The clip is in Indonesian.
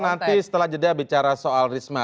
nanti setelah jeda bicara soal risma